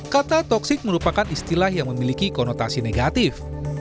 kata toksik merupakan istilah yang memiliki konotasi negatif